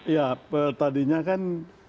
ya tadinya kan